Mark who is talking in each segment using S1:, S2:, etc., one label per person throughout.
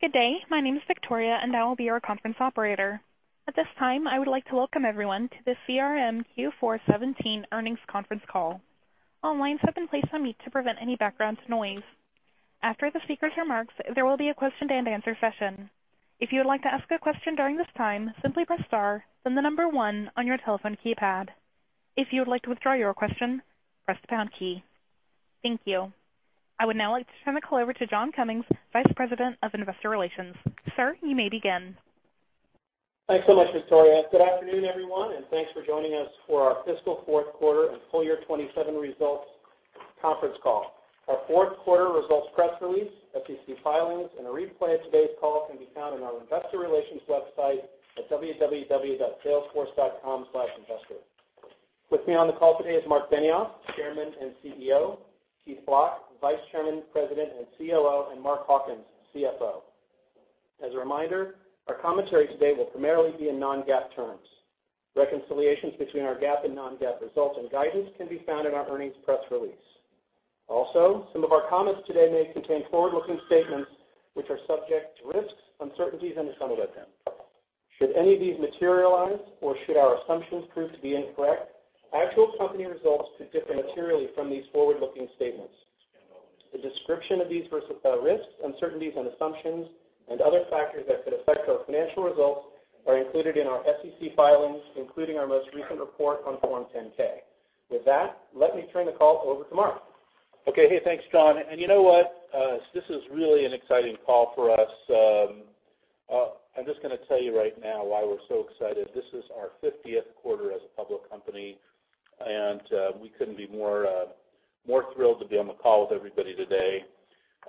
S1: Good day. My name is Victoria, and I will be your conference operator. At this time, I would like to welcome everyone to the CRM Q4 2017 earnings conference call. All lines have been placed on mute to prevent any background noise. After the speaker's remarks, there will be a question-and-answer session. If you would like to ask a question during this time, simply press star, then the number 1 on your telephone keypad. If you would like to withdraw your question, press the pound key. Thank you. I would now like to turn the call over to John Cummings, Vice President of Investor Relations. Sir, you may begin.
S2: Thanks so much, Victoria. Good afternoon, everyone, and thanks for joining us for our fiscal fourth quarter and full year 2017 results conference call. Our fourth quarter results press release, SEC filings, and a replay of today's call can be found on our investor relations website at www.salesforce.com/investor. With me on the call today is Marc Benioff, Chairman and CEO, Keith Block, Vice Chairman, President and COO, and Mark Hawkins, CFO. As a reminder, our commentary today will primarily be in non-GAAP terms. Reconciliations between our GAAP and non-GAAP results and guidance can be found in our earnings press release. Some of our comments today may contain forward-looking statements which are subject to risks, uncertainties, and assumptions about them. Should any of these materialize or should our assumptions prove to be incorrect, actual company results could differ materially from these forward-looking statements. A description of these risks, uncertainties, and assumptions and other factors that could affect our financial results are included in our SEC filings, including our most recent report on Form 10-K. With that, let me turn the call over to Marc.
S3: Okay. Hey, thanks, John. You know what? This is really an exciting call for us. I'm just going to tell you right now why we're so excited. This is our 50th quarter as a public company, and we couldn't be more thrilled to be on the call with everybody today.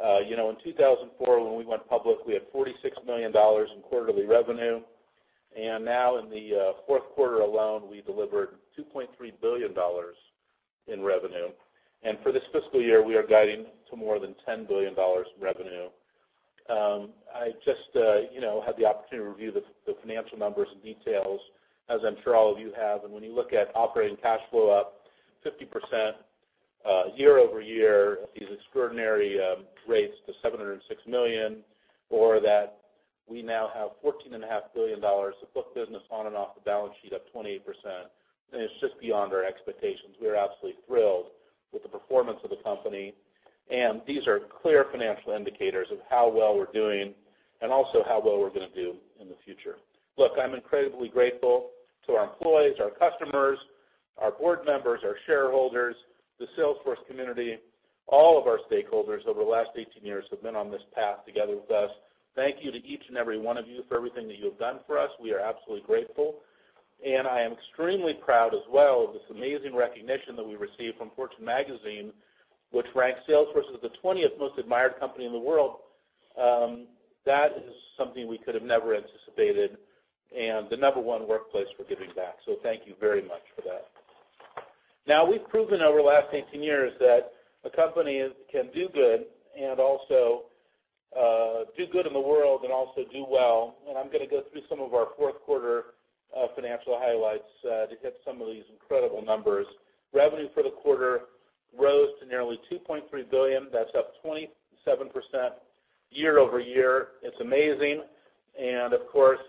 S3: In 2004, when we went public, we had $46 million in quarterly revenue. Now in the fourth quarter alone, we delivered $2.3 billion in revenue. For this fiscal year, we are guiding to more than $10 billion in revenue. I just had the opportunity to review the financial numbers and details, as I'm sure all of you have. When you look at operating cash flow up 50% year-over-year at these extraordinary rates to $706 million, or that we now have $14.5 billion of booked business on and off the balance sheet, up 28%, and it's just beyond our expectations. We are absolutely thrilled with the performance of the company, and these are clear financial indicators of how well we're doing and also how well we're going to do in the future. Look, I'm incredibly grateful to our employees, our customers, our board members, our shareholders, the Salesforce community, all of our stakeholders over the last 18 years who have been on this path together with us. Thank you to each and every one of you for everything that you have done for us. We are absolutely grateful. I am extremely proud as well of this amazing recognition that we received from Fortune Magazine, which ranked Salesforce as the 20th most admired company in the world. That is something we could have never anticipated, and the number 1 workplace for giving back, so thank you very much for that. Now, we've proven over the last 18 years that a company can do good in the world and also do well, and I'm going to go through some of our fourth quarter financial highlights to hit some of these incredible numbers. Revenue for the quarter rose to nearly $2.3 billion. That's up 27% year-over-year. It's amazing. Of course,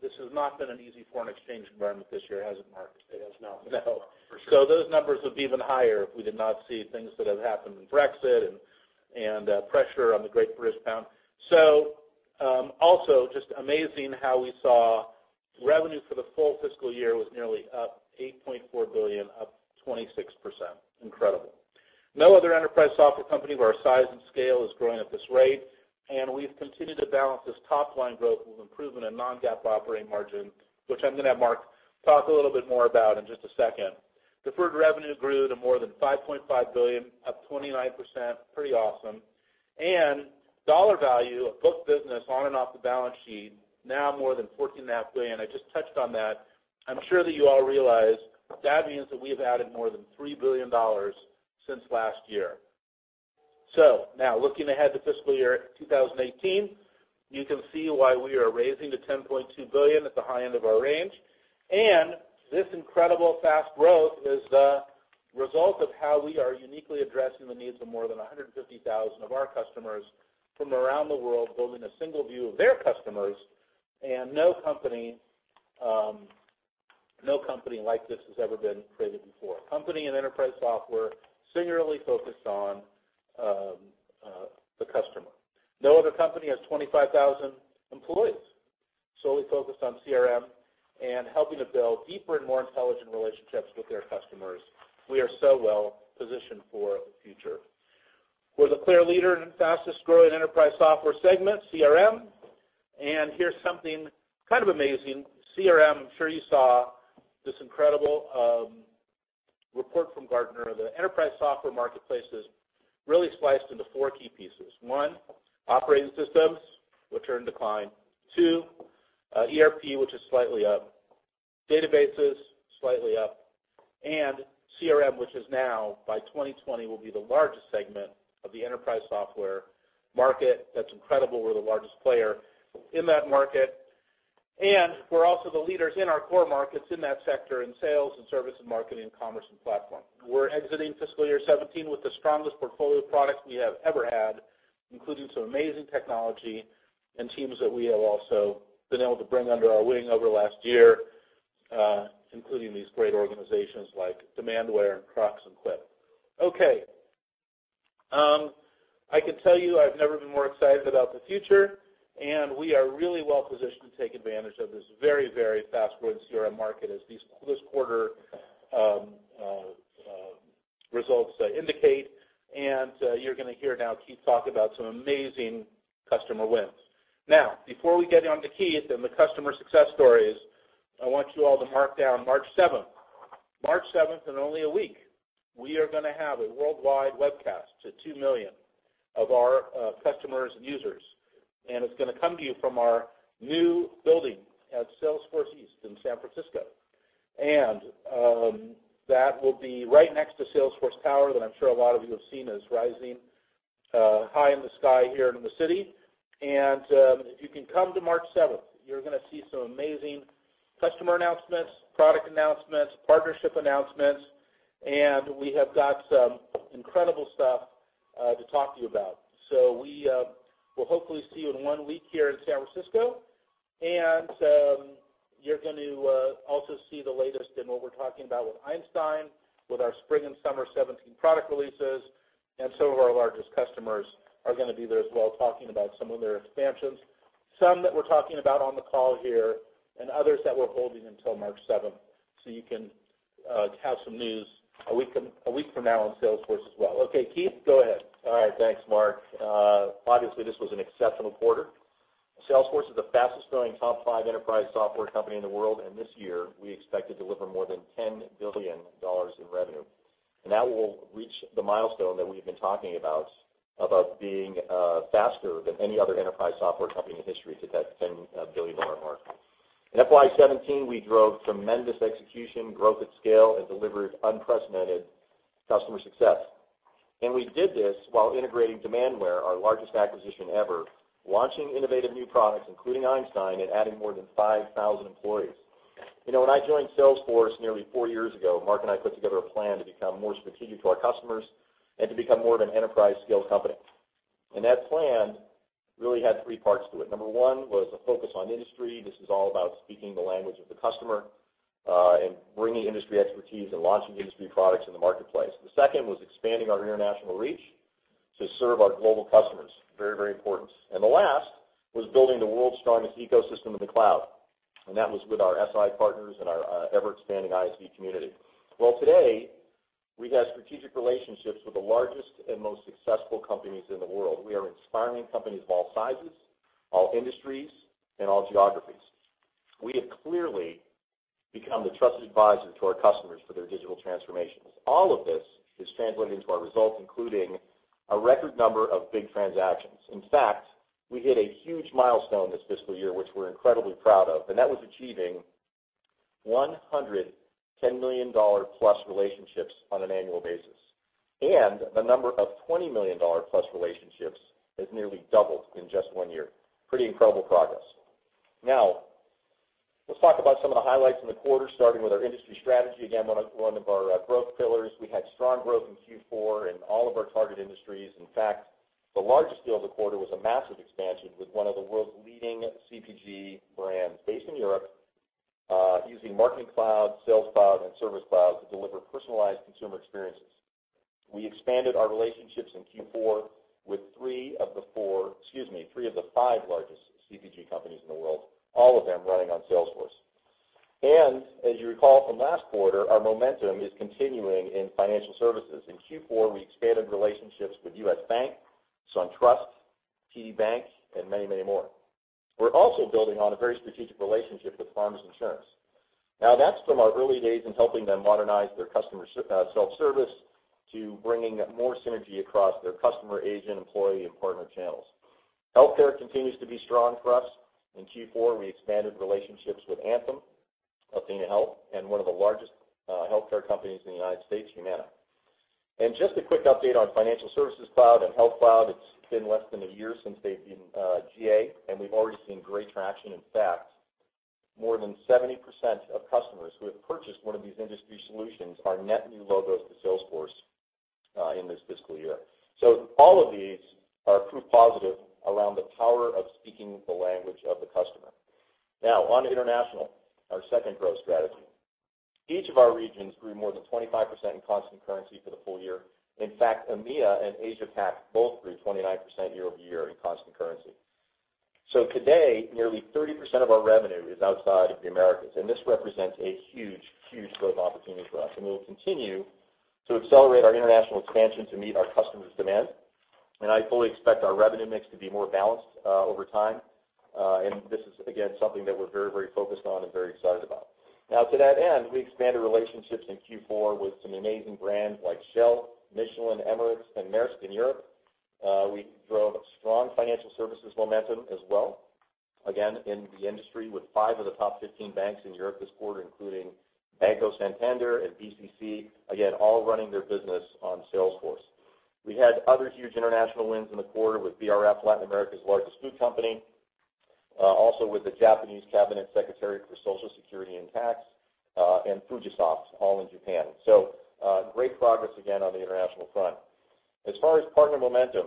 S3: this has not been an easy foreign exchange environment this year, has it, Mark?
S4: It has not.
S3: No.
S4: For sure.
S3: Those numbers would be even higher if we did not see things that have happened in Brexit and pressure on the great British pound. Also just amazing how we saw revenue for the full fiscal year was nearly up $8.4 billion, up 26%. Incredible. No other enterprise software company of our size and scale is growing at this rate, and we've continued to balance this top-line growth with improvement in non-GAAP operating margin, which I'm going to have Mark talk a little bit more about in just a second. Deferred revenue grew to more than $5.5 billion, up 29%. Pretty awesome. Dollar value of booked business on and off the balance sheet, now more than $14.5 billion. I just touched on that. I'm sure that you all realize that means that we have added more than $3 billion since last year. Now, looking ahead to fiscal year 2018, you can see why we are raising to $10.2 billion at the high end of our range. This incredible fast growth is the result of how we are uniquely addressing the needs of more than 150,000 of our customers from around the world, building a single view of their customers. No company like this has ever been created before. A company in enterprise software singularly focused on the customer. No other company has 25,000 employees solely focused on CRM and helping to build deeper and more intelligent relationships with their customers. We are so well positioned for the future. We're the clear leader in the fastest-growing enterprise software segment, CRM. Here's something kind of amazing. CRM, I'm sure you saw this incredible report from Gartner. The enterprise software marketplace is really sliced into four key pieces. One, operating systems, which are in decline. Two, ERP, which is slightly up. Databases, slightly up. CRM, which is now, by 2020, will be the largest segment of the enterprise software market. That's incredible. We're the largest player in that market. We're also the leaders in our core markets in that sector, in sales and service and marketing, commerce, and platform. We're exiting fiscal year 2017 with the strongest portfolio of products we have ever had, including some amazing technology and teams that we have also been able to bring under our wing over last year, including these great organizations like Demandware, Krux, and Quip. Okay. I can tell you I've never been more excited about the future, and we are really well positioned to take advantage of this very, very fast-growing CRM market as this quarter results indicate. You're going to hear now Keith talk about some amazing customer wins. Now, before we get on to Keith and the customer success stories, I want you all to mark down March 7th. March 7th, in only a week, we are going to have a worldwide webcast to 2 million of our customers and users, and it's going to come to you from our new building at Salesforce East in San Francisco. That will be right next to Salesforce Tower, that I'm sure a lot of you have seen is rising high in the sky here in the city. If you can come to March 7th, you're going to see some amazing customer announcements, product announcements, partnership announcements, and we have got some incredible stuff to talk to you about. We will hopefully see you in one week here in San Francisco. You're going to also see the latest in what we're talking about with Einstein, with our spring and summer 2017 product releases. Some of our largest customers are going to be there as well, talking about some of their expansions. Some that we're talking about on the call here, and others that we're holding until March 7, you can have some news a week from now on Salesforce as well. Okay, Keith, go ahead.
S5: All right. Thanks, Mark. Obviously, this was an exceptional quarter. Salesforce is the fastest-growing top five enterprise software company in the world. This year we expect to deliver more than $10 billion in revenue. That will reach the milestone that we have been talking about being faster than any other enterprise software company in history to that $10 billion mark. In FY 2017, we drove tremendous execution, growth at scale, and delivered unprecedented customer success. We did this while integrating Demandware, our largest acquisition ever, launching innovative new products, including Einstein, and adding more than 5,000 employees. When I joined Salesforce nearly four years ago, Mark and I put together a plan to become more strategic to our customers and to become more of an enterprise scale company. That plan really had three parts to it. Number 1 was a focus on industry. This is all about speaking the language of the customer, and bringing industry expertise and launching industry products in the marketplace. The second was expanding our international reach to serve our global customers. Very, very important. The last was building the world's strongest ecosystem in the cloud, and that was with our SI partners and our ever-expanding ISV community. Today, we have strategic relationships with the largest and most successful companies in the world. We are inspiring companies of all sizes, all industries, and all geographies. We have clearly become the trusted advisor to our customers for their digital transformations. All of this is translating to our results, including a record number of big transactions. In fact, we hit a huge milestone this fiscal year, which we're incredibly proud of, and that was achieving 100 $110 million-plus relationships on an annual basis. The number of $20 million-plus relationships has nearly doubled in just one year. Pretty incredible progress. Let's talk about some of the highlights from the quarter, starting with our industry strategy, again, one of our growth pillars. We had strong growth in Q4 in all of our target industries. In fact, the largest deal of the quarter was a massive expansion with one of the world's leading CPG brands based in Europe, using Marketing Cloud, Sales Cloud, and Service Cloud to deliver personalized consumer experiences. We expanded our relationships in Q4 with three of the four, excuse me, three of the five largest CPG companies in the world, all of them running on Salesforce. As you recall from last quarter, our momentum is continuing in financial services. In Q4, we expanded relationships with U.S. Bank, SunTrust, TD Bank, and many, many more. We're also building on a very strategic relationship with Farmers Insurance. That's from our early days in helping them modernize their customer self-service to bringing more synergy across their customer, agent, employee, and partner channels. Healthcare continues to be strong for us. In Q4, we expanded relationships with Anthem, athenahealth, and one of the largest healthcare companies in the U.S., Humana. Just a quick update on Financial Services Cloud and Health Cloud. It's been less than a year since they've been GA, and we've already seen great traction. In fact, more than 70% of customers who have purchased one of these industry solutions are net new logos to Salesforce in this fiscal year. All of these are proof positive around the power of speaking the language of the customer. Onto international, our second growth strategy. Each of our regions grew more than 25% in constant currency for the full year. In fact, EMEA and Asia-Pac both grew 29% year-over-year in constant currency. Today, nearly 30% of our revenue is outside of the Americas, and this represents a huge, huge growth opportunity for us, and we'll continue to accelerate our international expansion to meet our customers' demand. I fully expect our revenue mix to be more balanced over time. This is, again, something that we're very, very focused on and very excited about. To that end, we expanded relationships in Q4 with some amazing brands like Shell, Michelin, Emirates, and Maersk in Europe. We drove strong financial services momentum as well, again, in the industry with 5 of the top 15 banks in Europe this quarter, including Banco Santander and BNP Paribas, again, all running their business on Salesforce. We had other huge international wins in the quarter with BRF, Latin America's largest food company, also with the Japanese Cabinet Secretary for Social Security and Tax, and Fujisawa, all in Japan. Great progress again on the international front. As far as partner momentum,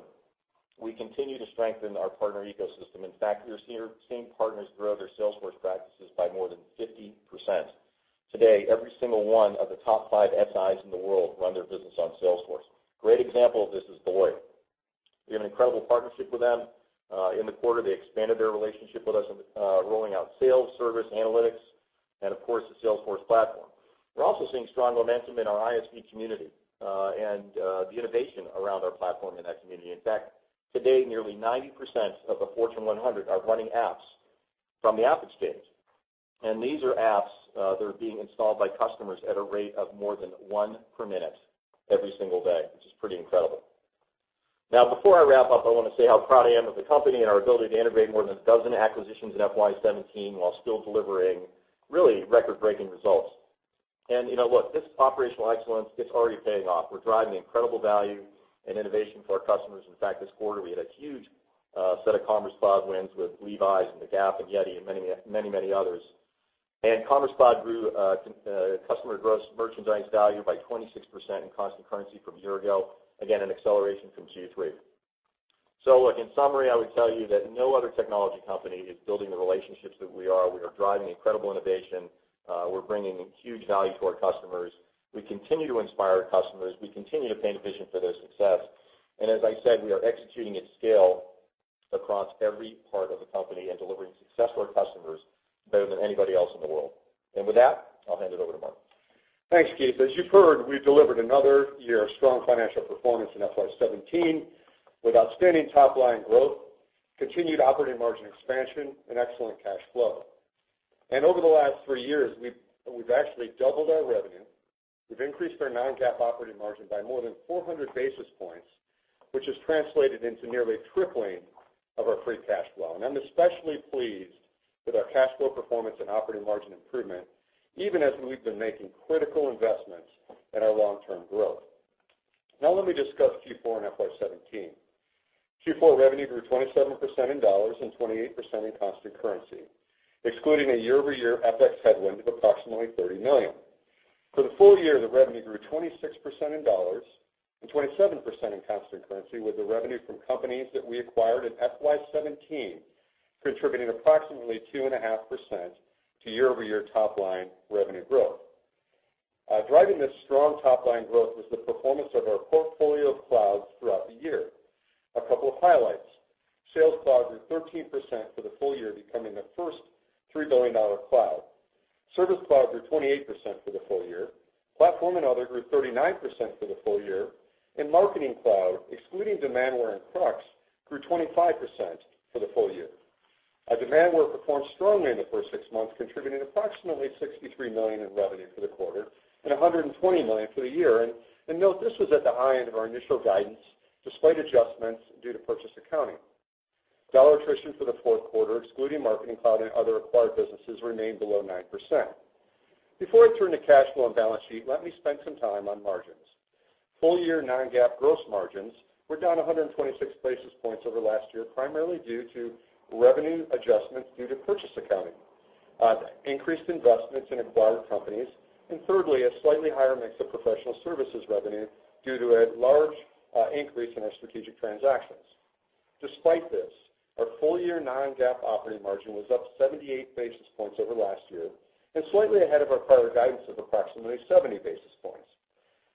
S5: we continue to strengthen our partner ecosystem. We are seeing partners grow their Salesforce practices by more than 50%. Today, every single one of the top 5 SIs in the world run their business on Salesforce. Great example of this is Deloitte. We have an incredible partnership with them. They expanded their relationship with us, rolling out sales, service, analytics, and of course, the Salesforce platform. We're also seeing strong momentum in our ISV community, and the innovation around our platform in that community. Today, nearly 90% of the Fortune 100 are running apps from the AppExchange. These are apps that are being installed by customers at a rate of more than 1 per minute every single day, which is pretty incredible. Before I wrap up, I want to say how proud I am of the company and our ability to integrate more than a dozen acquisitions in FY 2017, while still delivering really record-breaking results. Look, this operational excellence, it's already paying off. We're driving incredible value and innovation for our customers. This quarter, we had a huge set of Commerce Cloud wins with Levi's, and The Gap, and YETI, and many, many others. Commerce Cloud grew customer gross merchandise value by 26% in constant currency from a year ago. An acceleration from Q3. Look, in summary, I would tell you that no other technology company is building the relationships that we are. We are driving incredible innovation. We're bringing huge value to our customers. We continue to inspire our customers. We continue to paint a vision for their success. As I said, we are executing at scale across every part of the company and delivering success to our customers better than anybody else in the world. With that, I'll hand it over to Marc.
S3: Thanks, Keith. As you've heard, we've delivered another year of strong financial performance in FY 2017, with outstanding top-line growth, continued operating margin expansion, and excellent cash flow. Over the last three years, we've actually doubled our revenue. We've increased our non-GAAP operating margin by more than 400 basis points, which has translated into nearly tripling of our free cash flow. I'm especially pleased with our cash flow performance and operating margin improvement, even as we've been making critical investments in our long-term growth. Now let me discuss Q4 and FY 2017. Q4 revenue grew 27% in dollars and 28% in constant currency, excluding a year-over-year FX headwind of approximately $30 million. For the full year, the revenue grew 26% in dollars and 27% in constant currency, with the revenue from companies that we acquired in FY 2017 contributing approximately 2.5% to year-over-year top-line revenue growth.
S4: Driving this strong top-line growth was the performance of our portfolio of clouds throughout the year. A couple of highlights. Sales Cloud grew 13% for the full year, becoming the first $3 billion cloud. Service Cloud grew 28% for the full year. Platform and other grew 39% for the full year. Marketing Cloud, excluding Demandware and Krux, grew 25% for the full year. Demandware performed strongly in the first six months, contributing approximately $63 million in revenue for the quarter and $120 million for the year. Note, this was at the high end of our initial guidance, despite adjustments due to purchase accounting. Dollar attrition for the fourth quarter, excluding Marketing Cloud and other acquired businesses, remained below 9%. Before I turn to cash flow and balance sheet, let me spend some time on margins. Full-year non-GAAP gross margins were down 126 basis points over last year, primarily due to revenue adjustments due to purchase accounting, increased investments in acquired companies, and thirdly, a slightly higher mix of professional services revenue due to a large increase in our strategic transactions. Despite this, our full-year non-GAAP operating margin was up 78 basis points over last year and slightly ahead of our prior guidance of approximately 70 basis points.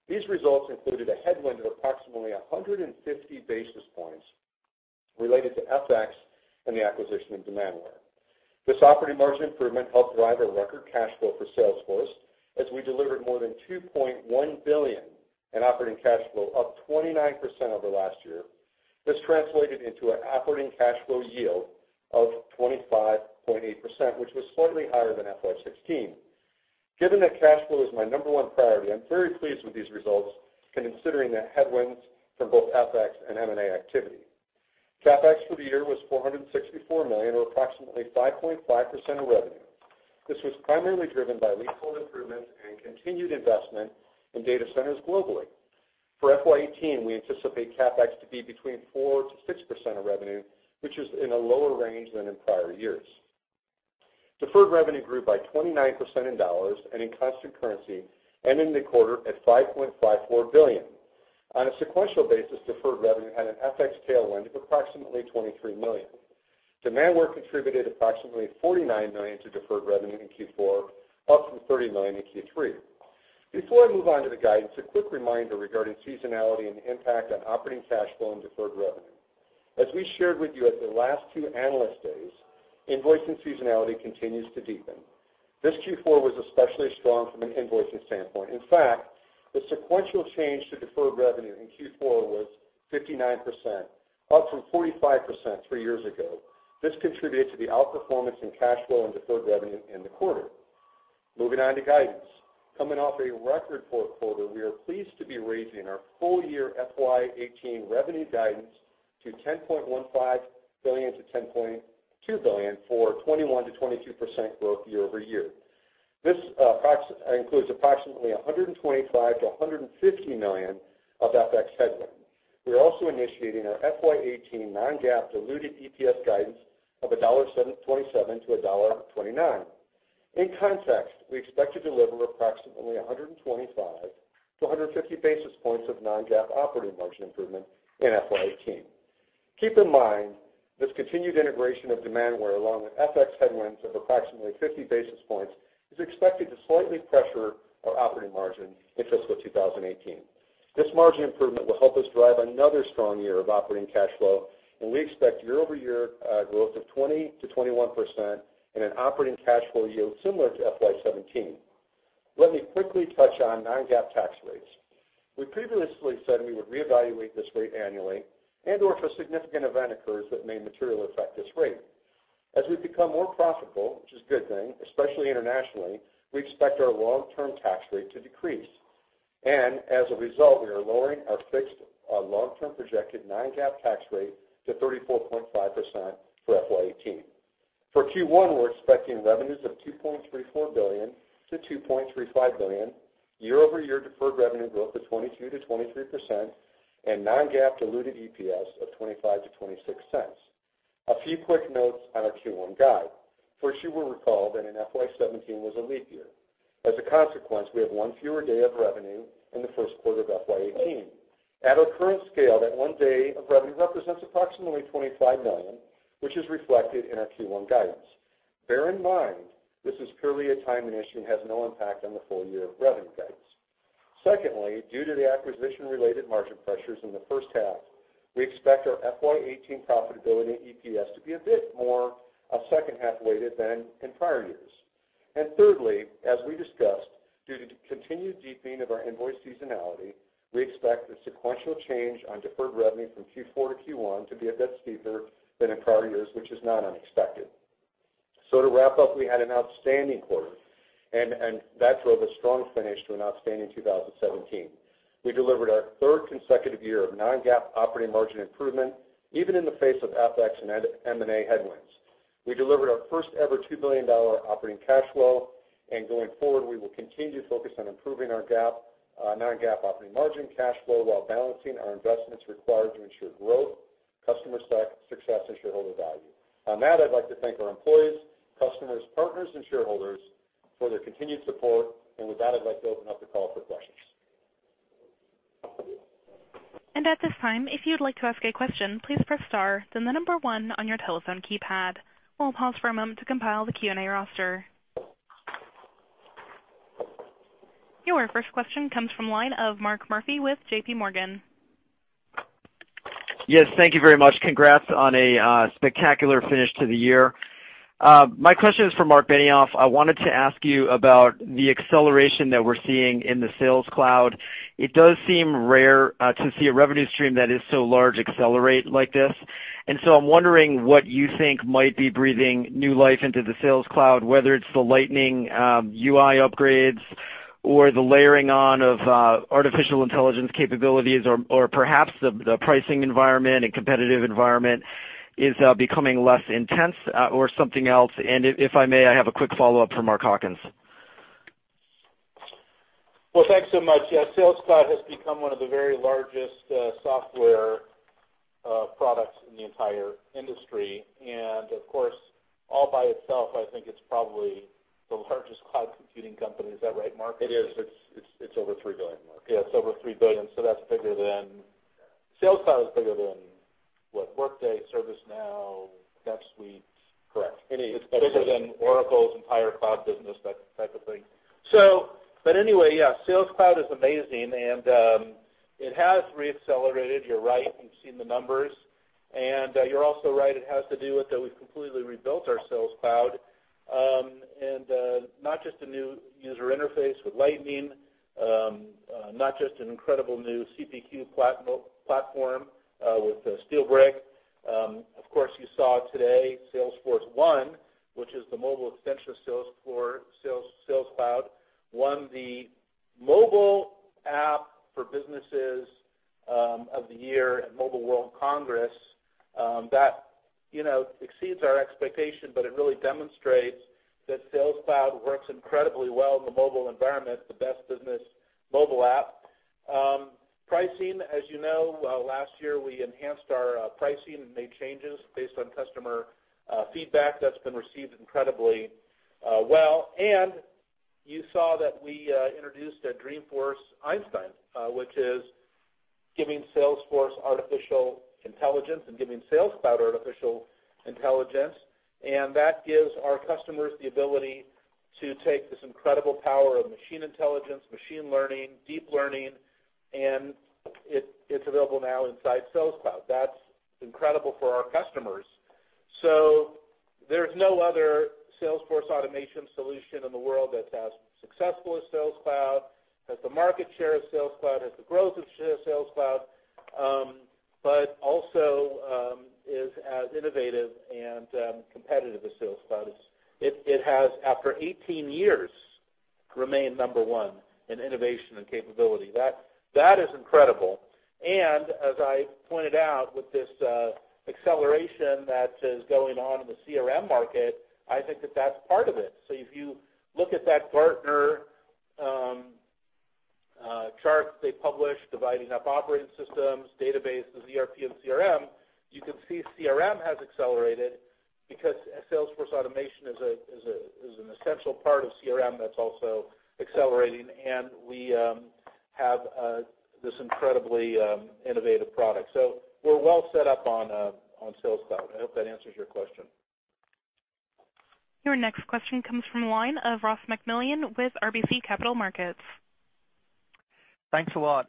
S4: These results included a headwind of approximately 150 basis points related to FX and the acquisition of Demandware. This operating margin improvement helped drive a record cash flow for Salesforce, as we delivered more than $2.1 billion in operating cash flow, up 29% over last year. This translated into an operating cash flow yield of 25.8%, which was slightly higher than FY 2016. Given that cash flow is my number one priority, I'm very pleased with these results considering the headwinds from both FX and M&A activity. CapEx for the year was $464 million, or approximately 5.5% of revenue. This was primarily driven by leasehold improvements and continued investment in data centers globally. For FY 2018, we anticipate CapEx to be between 4%-6% of revenue, which is in a lower range than in prior years. Deferred revenue grew by 29% in dollars and in constant currency, ending the quarter at $5.54 billion. On a sequential basis, deferred revenue had an FX tailwind of approximately $23 million. Demandware contributed approximately $49 million to deferred revenue in Q4, up from $30 million in Q3. Before I move on to the guidance, a quick reminder regarding seasonality and the impact on operating cash flow and deferred revenue. As we shared with you at the last two analyst days, invoicing seasonality continues to deepen. This Q4 was especially strong from an invoicing standpoint. In fact, the sequential change to deferred revenue in Q4 was 59%, up from 45% three years ago. This contributed to the outperformance in cash flow and deferred revenue in the quarter. Moving on to guidance. Coming off a record fourth quarter, we are pleased to be raising our full-year FY 2018 revenue guidance to $10.15 billion-$10.2 billion for 21%-22% growth year-over-year. This includes approximately $125 million-$150 million of FX headwind. We are also initiating our FY 2018 non-GAAP diluted EPS guidance of $1.27-$1.29. In context, we expect to deliver approximately 125-150 basis points of non-GAAP operating margin improvement in FY 2018. Keep in mind, this continued integration of Demandware, along with FX headwinds of approximately 50 basis points, is expected to slightly pressure our operating margin in fiscal 2018. This margin improvement will help us drive another strong year of operating cash flow, and we expect year-over-year growth of 20%-21% and an operating cash flow yield similar to FY 2017. Let me quickly touch on non-GAAP tax rates. We previously said we would reevaluate this rate annually and/or if a significant event occurs that may materially affect this rate. As we become more profitable, which is a good thing, especially internationally, we expect our long-term tax rate to decrease. As a result, we are lowering our long-term projected non-GAAP tax rate to 34.5% for FY 2018. For Q1, we're expecting revenues of $2.34 billion-$2.35 billion, year-over-year deferred revenue growth of 22%-23%, and non-GAAP diluted EPS of $0.25-$0.26. A few quick notes on our Q1 guide. First, you will recall that in FY 2017 was a leap year. As a consequence, we have one fewer day of revenue in the first quarter of FY 2018. At our current scale, that one day of revenue represents approximately $25 million, which is reflected in our Q1 guidance. Bear in mind, this is purely a timing issue and has no impact on the full year revenue guidance. Secondly, due to the acquisition-related margin pressures in the first half, we expect our FY 2018 profitability EPS to be a bit more second-half weighted than in prior years. Thirdly, as we discussed, due to continued deepening of our invoice seasonality, we expect the sequential change on deferred revenue from Q4 to Q1 to be a bit steeper than in prior years, which is not unexpected. To wrap up, we had an outstanding quarter, and that drove a strong finish to an outstanding 2017. We delivered our third consecutive year of non-GAAP operating margin improvement, even in the face of FX and M&A headwinds. We delivered our first-ever $2 billion operating cash flow, and going forward, we will continue to focus on improving our non-GAAP operating margin cash flow while balancing our investments required to ensure growth, customer success, and shareholder value. On that, I'd like to thank our employees, customers, partners, and shareholders for their continued support. With that, I'd like to open up the call for questions.
S1: At this time, if you'd like to ask a question, please press star, then the number one on your telephone keypad. We'll pause for a moment to compile the Q&A roster. Your first question comes from the line of Mark Murphy with JPMorgan.
S6: Yes, thank you very much. Congrats on a spectacular finish to the year. My question is for Marc Benioff. I wanted to ask you about the acceleration that we're seeing in the Sales Cloud. It does seem rare to see a revenue stream that is so large accelerate like this, so I'm wondering what you think might be breathing new life into the Sales Cloud, whether it's the Lightning UI upgrades or the layering on of artificial intelligence capabilities, or perhaps the pricing environment and competitive environment is becoming less intense, or something else. If I may, I have a quick follow-up for Mark Hawkins.
S3: Well, thanks so much. Yeah, Sales Cloud has become one of the very largest software products in the entire industry. Of course, all by itself, I think it's probably the largest cloud computing company. Is that right, Mark? It is. It's over $3 billion, Mark. Yeah, it's over $3 billion, so that's bigger than Sales Cloud is bigger than, what? Workday, ServiceNow, NetSuite. Correct. It's bigger than Oracle's entire cloud business, that type of thing. Anyway, yeah, Sales Cloud is amazing, and it has re-accelerated. You're right. We've seen the numbers. You're also right, it has to do with that we've completely rebuilt our Sales Cloud. Not just a new user interface with Lightning, not just an incredible new CPQ platform with SteelBrick. Of course, you saw today, Salesforce1, which is the mobile extension of Sales Cloud, won the Mobile App for Businesses of the Year at Mobile World Congress. That exceeds our expectation, but it really demonstrates that Sales Cloud works incredibly well in the mobile environment, the best business mobile app. Pricing, as you know, last year, we enhanced our pricing and made changes based on customer feedback. That's been received incredibly well. You saw that we introduced Dreamforce Einstein, which is giving Salesforce artificial intelligence and giving Sales Cloud artificial intelligence. That gives our customers the ability to take this incredible power of machine intelligence, machine learning, deep learning, and it's available now inside Sales Cloud. That's incredible for our customers.
S4: There's no other Sales Force Automation solution in the world that's as successful as Sales Cloud, has the market share of Sales Cloud, has the growth of Sales Cloud, but also is as innovative and competitive as Sales Cloud. It has, after 18 years
S3: to remain number one in innovation and capability. That is incredible. As I pointed out with this acceleration that is going on in the CRM market, I think that that's part of it. If you look at that partner chart that they publish, dividing up operating systems, databases, ERP, and CRM, you can see CRM has accelerated because Sales Force Automation is an essential part of CRM that's also accelerating, and we have this incredibly innovative product. We're well set up on Sales Cloud. I hope that answers your question.
S1: Your next question comes from the line of Ross MacMillan with RBC Capital Markets.
S7: Thanks a lot.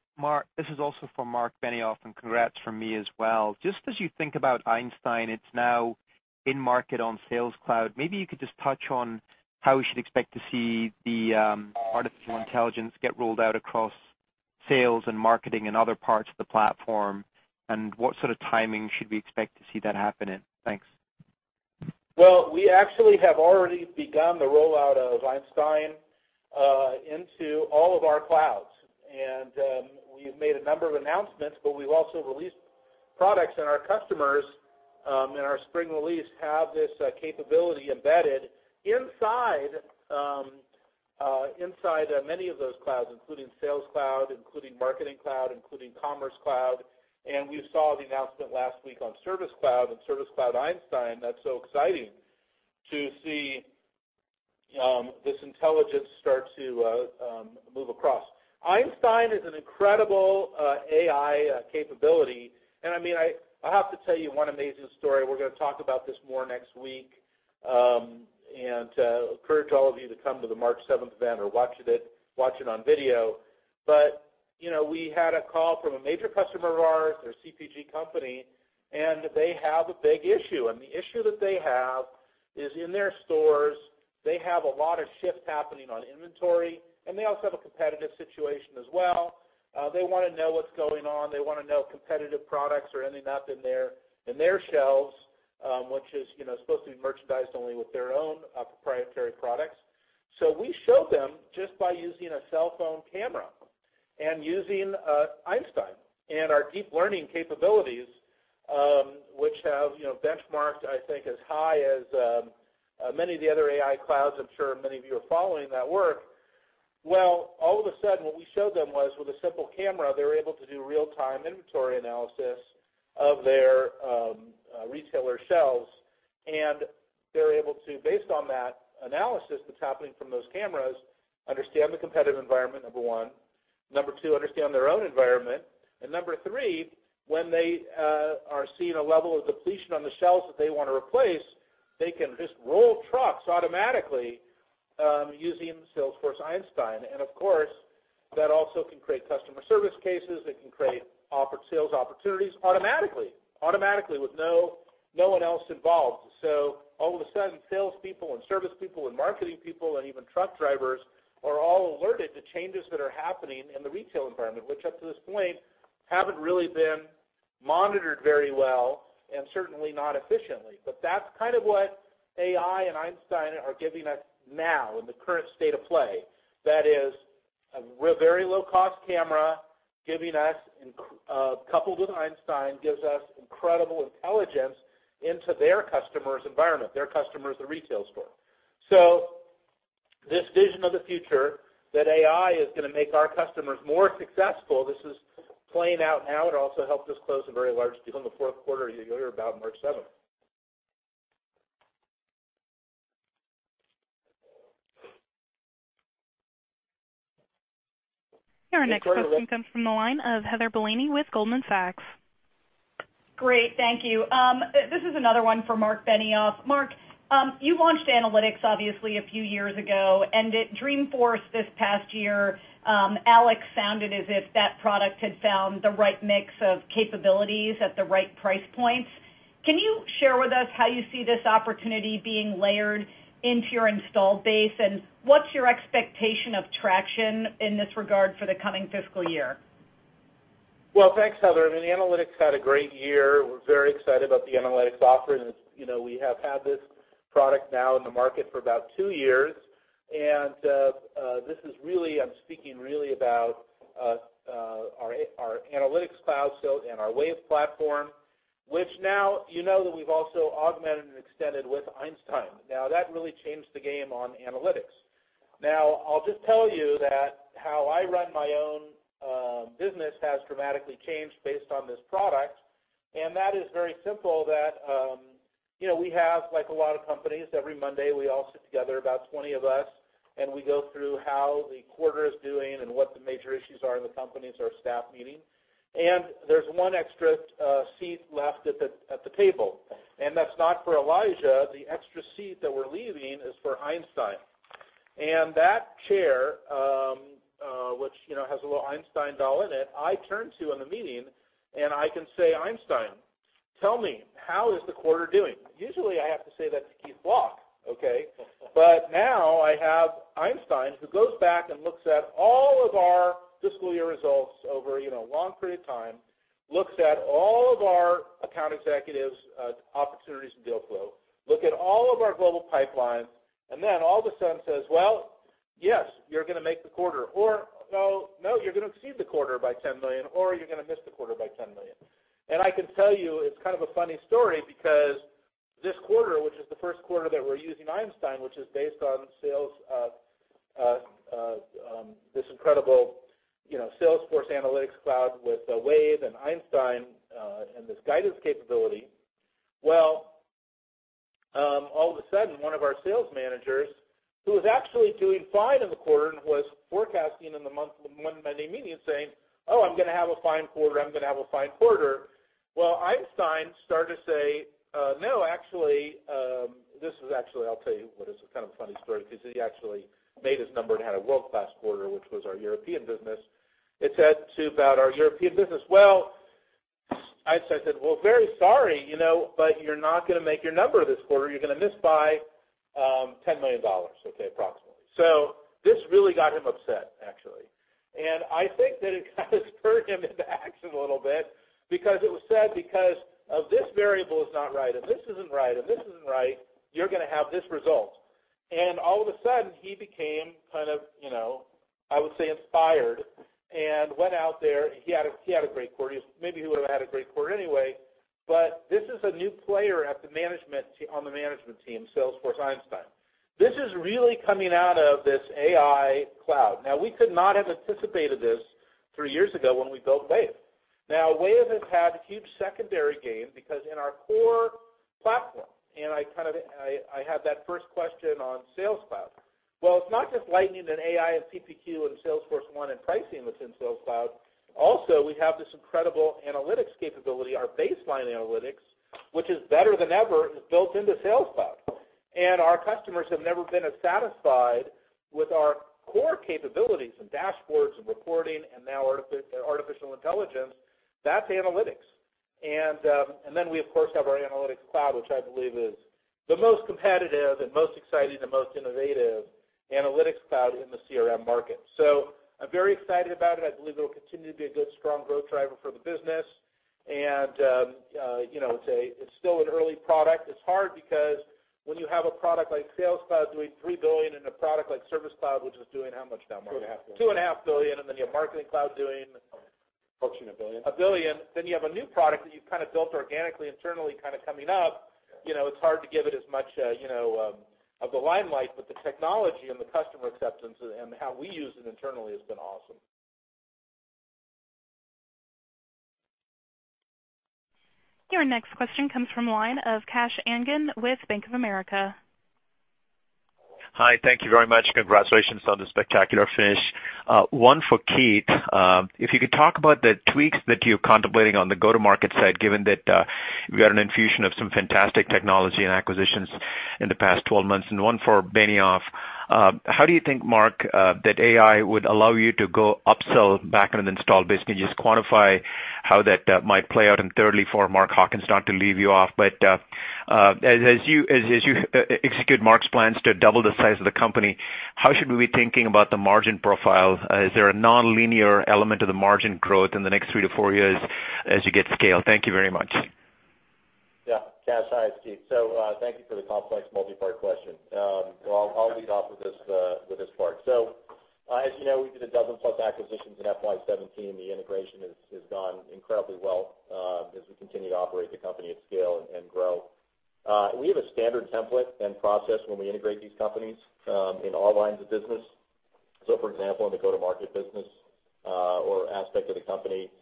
S7: This is also for Marc Benioff, and congrats from me as well. As you think about Einstein, it is now in market on Sales Cloud. Maybe you could just touch on how we should expect to see the artificial intelligence get rolled out across sales and marketing and other parts of the platform, and what sort of timing should we expect to see that happen in? Thanks.
S3: We actually have already begun the rollout of Einstein into all of our clouds. We have made a number of announcements, but we have also released products. Our customers in our spring release have this capability embedded inside many of those clouds, including Sales Cloud, including Marketing Cloud, including Commerce Cloud. We saw the announcement last week on Service Cloud and Service Cloud Einstein. That is so exciting to see this intelligence start to move across. Einstein is an incredible AI capability. I have to tell you one amazing story. We are going to talk about this more next week, and encourage all of you to come to the March 7th event or watch it on video. We had a call from a major customer of ours, they are a CPG company, and they have a big issue. The issue that they have is in their stores, they have a lot of shift happening on inventory, and they also have a competitive situation as well. They want to know what is going on. They want to know if competitive products are ending up in their shelves, which is supposed to be merchandised only with their own proprietary products. We showed them, just by using a cellphone camera and using Einstein and our deep learning capabilities, which have benchmarked, I think, as high as many of the other AI clouds. I am sure many of you are following that work. All of a sudden, what we showed them was with a simple camera, they were able to do real-time inventory analysis of their retailer shelves, and they were able to, based on that analysis that is happening from those cameras, understand the competitive environment, number one. Number two, understand their own environment. Number three, when they are seeing a level of depletion on the shelves that they want to replace, they can just roll trucks automatically using Salesforce Einstein. Of course, that also can create customer service cases. It can create sales opportunities automatically. Automatically, with no one else involved. All of a sudden, salespeople and service people and marketing people, and even truck drivers, are all alerted to changes that are happening in the retail environment, which up to this point, have not really been monitored very well, and certainly not efficiently. That is kind of what AI and Einstein are giving us now in the current state of play. That is, a very low-cost camera, coupled with Einstein, gives us incredible intelligence into their customer's environment, their customer is the retail store. This vision of the future that AI is going to make our customers more successful, this is playing out now. It also helped us close a very large deal in the fourth quarter. You'll hear about it March 7th.
S1: Your next question comes from the line of Heather Bellini with Goldman Sachs.
S8: Great. Thank you. This is another one for Marc Benioff. Marc, you launched analytics obviously a few years ago, at Dreamforce this past year, Alex sounded as if that product had found the right mix of capabilities at the right price points. Can you share with us how you see this opportunity being layered into your installed base? What's your expectation of traction in this regard for the coming fiscal year?
S3: Well, thanks, Heather. I mean, analytics had a great year. We're very excited about the analytics offering. We have had this product now in the market for about two years. I'm speaking really about our Analytics Cloud and our Wave platform, which now, you know that we've also augmented and extended with Einstein. That really changed the game on analytics. I'll just tell you that how I run my own business has dramatically changed based on this product, and that is very simple that, we have, like a lot of companies, every Monday, we all sit together, about 20 of us, and we go through how the quarter is doing and what the major issues are in the company. It's our staff meeting. There's one extra seat left at the table. That's not for Elijah. The extra seat that we're leaving is for Einstein. That chair, which has a little Einstein doll in it, I turn to in the meeting, and I can say, "Einstein, tell me, how is the quarter doing?" Usually, I have to say that to Keith Block, okay? Now I have Einstein, who goes back and looks at all of our fiscal year results over a long period of time. Looks at all of our account executives, opportunities, and deal flow, look at all of our global pipelines, then all of a sudden says, "Yes, you're going to make the quarter," or, "No, you're going to exceed the quarter by $10 million," or, "You're going to miss the quarter by $10 million." I can tell you, it's kind of a funny story, because this quarter, which is the first quarter that we're using Einstein, which is based on this incredible Salesforce Analytics Cloud with Wave and Einstein, and this guidance capability. All of a sudden, one of our sales managers, who was actually doing fine in the quarter and was forecasting in the month of the Monday meeting saying, "Oh, I'm going to have a fine quarter." Einstein started to say, "No, actually." This is actually, I'll tell you what, it's a kind of a funny story, because he actually made his number and had a world-class quarter, which was our European business. It said to about our European business, Einstein said, "Very sorry, but you're not going to make your number this quarter. You're going to miss by $10 million," approximately. This really got him upset, actually. I think that it kind of spurred him into action a little bit because it was said because of, this variable is not right, and this isn't right, and this isn't right, you're going to have this result. All of a sudden, he became kind of, I would say, inspired, and went out there. He had a great quarter. Maybe he would've had a great quarter anyway, but this is a new player on the management team, Salesforce Einstein. This is really coming out of this AI cloud. We could not have anticipated this three years ago when we built Wave. Wave has had huge secondary gain because in our core platform, and I had that first question on Sales Cloud. It's not just Lightning and AI and CPQ and Salesforce1 and pricing that's in Sales Cloud. We have this incredible analytics capability, our baseline analytics, which is better than ever, and is built into Sales Cloud. Our customers have never been as satisfied with our core capabilities and dashboards and reporting, and now artificial intelligence. That's analytics. Then we, of course, have our Analytics Cloud, which I believe is the most competitive and most exciting and most innovative Analytics Cloud in the CRM market. I'm very excited about it. I believe it will continue to be a good, strong growth driver for the business. It's still an early product. It's hard because when you have a product like Sales Cloud doing $3 billion and a product like Service Cloud, which is doing how much now, Mark?
S4: $2.5 billion.
S3: $2.5 billion, you have Marketing Cloud doing- Approaching $1 billion. $1 billion. You have a new product that you've kind of built organically, internally coming up. It's hard to give it as much of the limelight, but the technology and the customer acceptance and how we use it internally has been awesome.
S1: Your next question comes from line of Kash Rangan with Bank of America.
S9: Hi, thank you very much. Congratulations on the spectacular finish. One for Keith. If you could talk about the tweaks that you're contemplating on the go-to-market side, given that you had an infusion of some fantastic technology and acquisitions in the past 12 months. One for Benioff. How do you think, Marc, that AI would allow you to go upsell back on an install base? Can you just quantify how that might play out? Thirdly, for Mark Hawkins, not to leave you off, but as you execute Marc's plans to double the size of the company, how should we be thinking about the margin profile? Is there a nonlinear element to the margin growth in the next three to four years as you get scale? Thank you very much.
S5: Kash, hi, it's Keith. Thank you for the complex multi-part question. I'll lead off with this part. As you know, we did a dozen plus acquisitions in FY 2017. The integration has gone incredibly well as we continue to operate the company at scale and grow. We have a standard template and process when we integrate these companies, in all lines of business. For example, in the go-to-market business, or aspect of the company,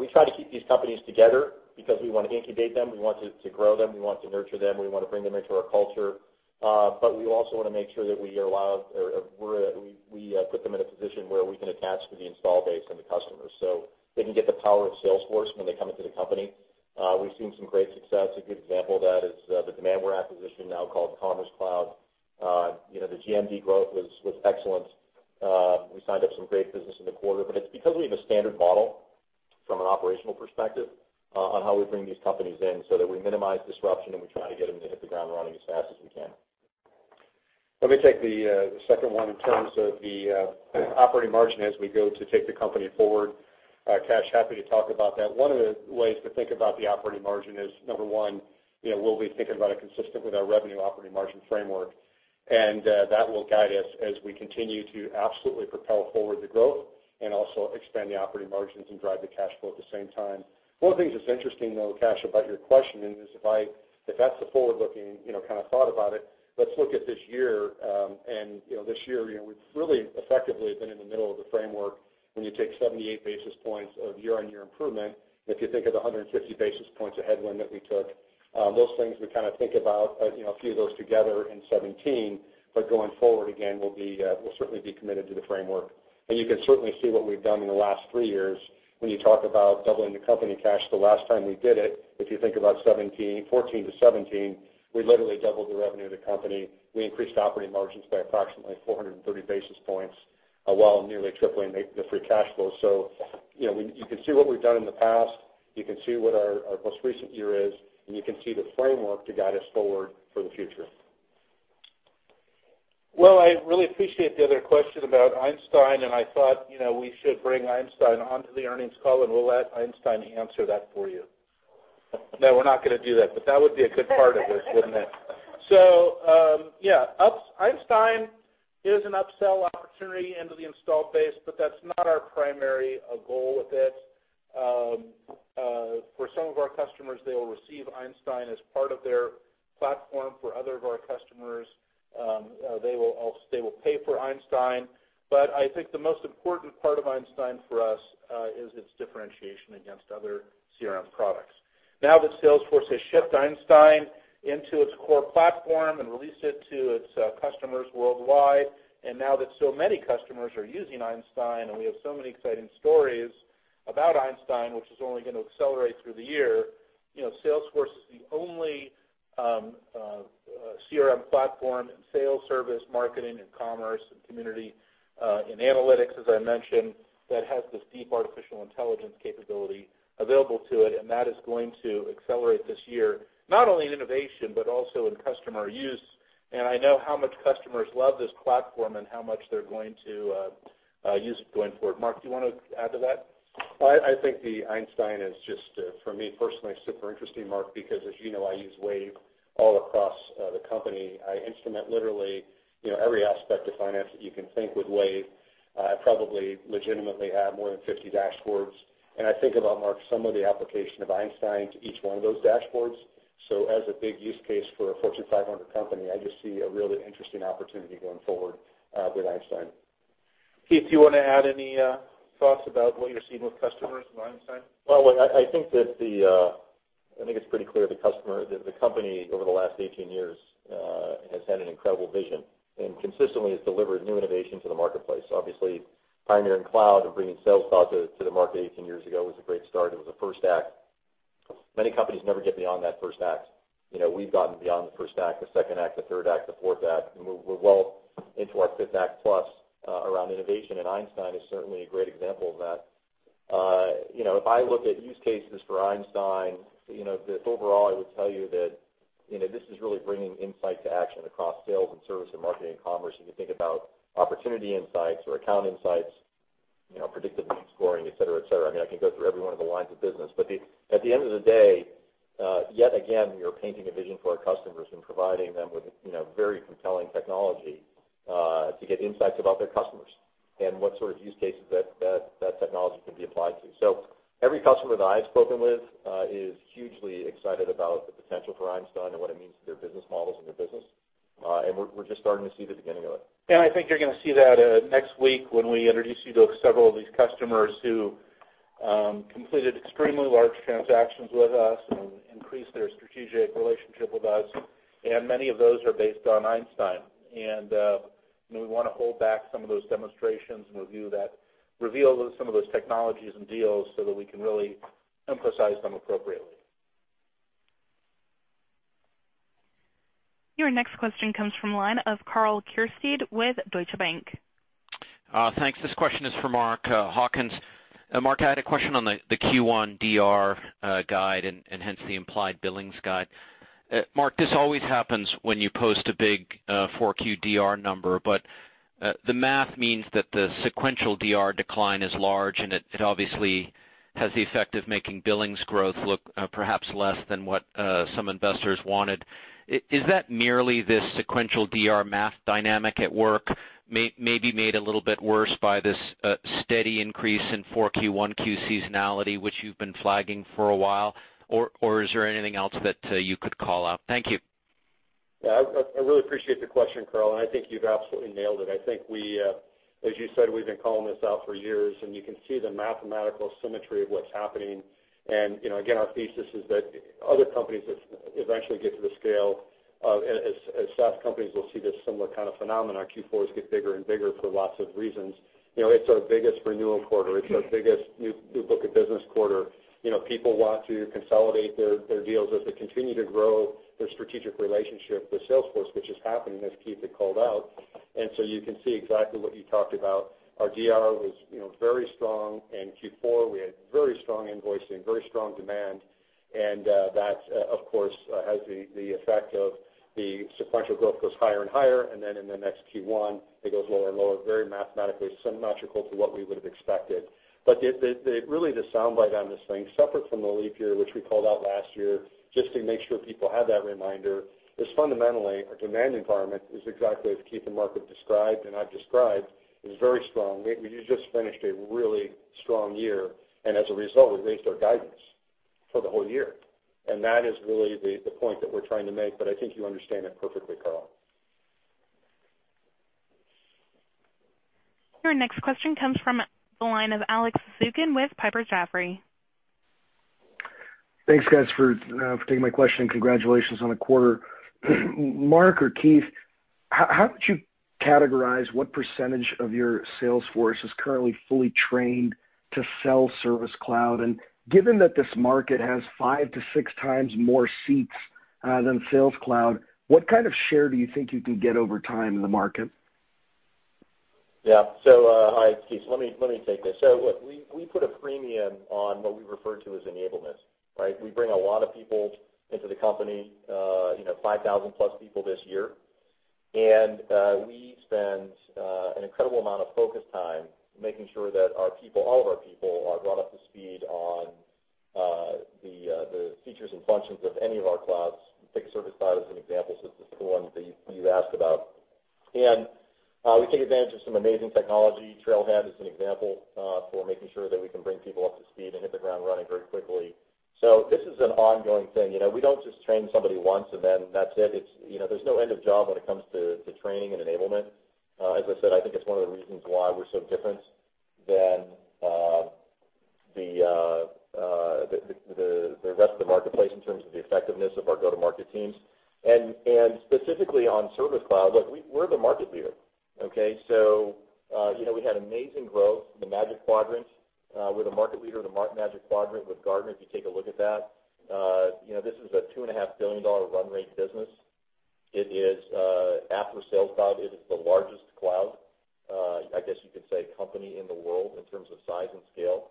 S5: we try to keep these companies together because we want to incubate them, we want to grow them, we want to nurture them, we want to bring them into our culture. We also want to make sure that we put them in a position where we can attach to the install base and the customers, so they can get the power of Salesforce when they come into the company. We've seen some great success. A good example of that is the Demandware acquisition now called Commerce Cloud. The GMV growth was excellent. We signed up some great business in the quarter, but it's because we have a standard model from an operational perspective on how we bring these companies in so that we minimize disruption, and we try to get them to hit the ground running as fast as we can.
S4: Let me take the second one in terms of the operating margin as we go to take the company forward. Kash, happy to talk about that. One of the ways to think about the operating margin is, number one, we'll be thinking about it consistent with our revenue operating margin framework. That will guide us as we continue to absolutely propel forward the growth and also expand the operating margins and drive the cash flow at the same time. One of the things that's interesting, though, Kash, about your question, if that's the forward-looking kind of thought about it, let's look at this year. This year, we've really effectively been in the middle of the framework when you take 78 basis points of year-on-year improvement, if you think of the 150 basis points of headwind that we took. Those things we kind of think about a few of those together in 2017. Going forward, again, we'll certainly be committed to the framework. You can certainly see what we've done in the last three years when you talk about doubling the company, Kash. The last time we did it, if you think about 2014 to 2017, we literally doubled the revenue of the company. We increased operating margins by approximately 430 basis points, while nearly tripling the free cash flow. You can see what we've done in the past. You can see what our most recent year is, and you can see the framework to guide us forward for the future. I really appreciate the other question about Einstein, I thought we should bring Einstein onto the earnings call, we'll let Einstein answer that for you.
S3: No, we're not going to do that, but that would be a good part of this, wouldn't it? Yeah, Einstein is an upsell opportunity into the installed base, but that's not our primary goal with it. For some of our customers, they will receive Einstein as part of their platform. For other of our customers, they will pay for Einstein. I think the most important part of Einstein for us is its differentiation against other CRM products. Now that Salesforce has shipped Einstein into its core platform and released it to its customers worldwide, and now that so many customers are using Einstein, and we have so many exciting stories about Einstein, which is only going to accelerate through the year. Salesforce is the only CRM platform in sales, service, marketing, commerce, community, and analytics, as I mentioned, that has this deep artificial intelligence capability available to it, and that is going to accelerate this year, not only in innovation, but also in customer use. I know how much customers love this platform and how much they're going to use it going forward. Marc, do you want to add to that?
S4: I think the Einstein is just, for me personally, super interesting, Marc, because as you know, I use Wave all across the company. I instrument literally every aspect of finance that you can think with Wave. I probably legitimately have more than 50 dashboards. I think about, Marc, some of the application of Einstein to each one of those dashboards. As a big use case for a Fortune 500 company, I just see a really interesting opportunity going forward with Einstein.
S3: Keith, do you want to add any thoughts about what you're seeing with customers and Einstein?
S5: I think it's pretty clear the company, over the last 18 years, has had an incredible vision, consistently has delivered new innovation to the marketplace. Obviously, pioneering cloud and bringing Sales Cloud to the market 18 years ago was a great start. It was a first act. Many companies never get beyond that first act. We've gotten beyond the first act, the second act, the third act, the fourth act. We're well into our fifth act plus around innovation, Einstein is certainly a great example of that. If I look at use cases for Einstein, just overall, I would tell you that this is really bringing insight to action across sales and service and marketing and commerce. If you think about opportunity insights or account insights, predictive lead scoring, et cetera. I can go through every one of the lines of business. At the end of the day, yet again, we are painting a vision for our customers and providing them with very compelling technology to get insights about their customers and what sort of use cases that technology can be applied to. Every customer that I've spoken with is hugely excited about the potential for Einstein and what it means to their business models and their business. We're just starting to see the beginning of it.
S3: I think you're going to see that next week when we introduce you to several of these customers who completed extremely large transactions with us and increased their strategic relationship with us. Many of those are based on Einstein. We want to hold back some of those demonstrations and reveal some of those technologies and deals so that we can really emphasize them appropriately.
S1: Your next question comes from the line of Karl Keirstead with Deutsche Bank.
S10: Thanks. This question is for Mark Hawkins. Mark, I had a question on the Q1 DR guide and hence the implied billings guide. Mark, this always happens when you post a big 4Q DR number, the math means that the sequential DR decline is large, and it obviously has the effect of making billings growth look perhaps less than what some investors wanted. Is that merely this sequential DR math dynamic at work, maybe made a little bit worse by this steady increase in 4Q, 1Q seasonality, which you've been flagging for a while? Is there anything else that you could call out? Thank you.
S4: Yeah, I really appreciate the question, Karl. I think you've absolutely nailed it. I think, as you said, we've been calling this out for years. You can see the mathematical symmetry of what's happening. Again, our thesis is that other companies that eventually get to the scale of, as SaaS companies, will see this similar kind of phenomenon. Our Q4s get bigger and bigger for lots of reasons. It's our biggest renewal quarter. It's our biggest new book of business quarter. People want to consolidate their deals as they continue to grow their strategic relationship with Salesforce, which is happening, as Keith had called out. You can see exactly what you talked about. Our DR was very strong in Q4. We had very strong invoicing, very strong demand.
S3: That, of course, has the effect of the sequential growth goes higher and higher, and then in the next Q1, it goes lower and lower, very mathematically symmetrical to what we would have expected. Really, the sound bite on this thing, separate from the leap year, which we called out last year, just to make sure people have that reminder, is fundamentally our demand environment is exactly as Keith and Marc have described, and I've described. It is very strong. We just finished a really strong year, and as a result, we raised our guidance for the whole year. That is really the point that we're trying to make, but I think you understand it perfectly, Karl.
S1: Your next question comes from the line of Alex Zukin with Piper Jaffray.
S11: Thanks, guys, for taking my question. Congratulations on the quarter. Marc or Keith, how would you categorize what % of your sales force is currently fully trained to sell Service Cloud? Given that this market has five to six times more seats than Sales Cloud, what kind of share do you think you can get over time in the market?
S5: Hi, Keith. Let me take this. Look, we put a premium on what we refer to as enablement, right? We bring a lot of people into the company, 5,000-plus people this year. We spend an incredible amount of focus time making sure that all of our people are brought up to speed on the features and functions of any of our clouds. Take Service Cloud as an example, since it's the one that you asked about. We take advantage of some amazing technology. Trailhead is an example for making sure that we can bring people up to speed and hit the ground running very quickly. This is an ongoing thing. We don't just train somebody once and then that's it. There's no end of job when it comes to training and enablement. As I said, I think it's one of the reasons why we're so different than the rest of the marketplace in terms of the effectiveness of our go-to-market teams. Specifically on Service Cloud, look, we're the market leader, okay? We had amazing growth in the Magic Quadrant. We're the market leader of the Magic Quadrant with Gartner, if you take a look at that. This is a $2.5 billion run rate business. After Sales Cloud, it is the largest cloud, I guess you could say, company in the world in terms of size and scale.